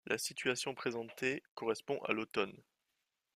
La situation présentée correspond à l'automne.